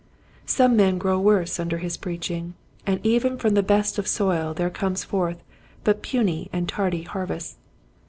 Some men grow worse under his preaching, and even from the best of soil there come forth but puny and tardy harvests.